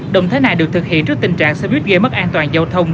động thái này được thực hiện trước tình trạng xe buýt gây mất an toàn giao thông